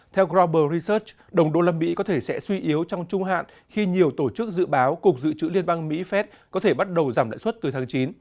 theo global research đồng đô la mỹ có thể sẽ suy yếu trong trung hạn khi nhiều tổ chức dự báo cục dự trữ liên bang mỹ phép có thể bắt đầu giảm lãi suất từ tháng chín